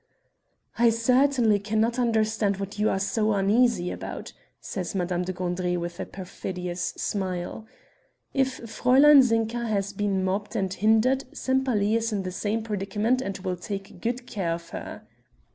"I certainly cannot understand what you are so uneasy about," says Madame de Gandry with a perfidious smile; "if Fräulein Zinka has been mobbed and hindered Sempaly is in the same predicament and will take good care of her.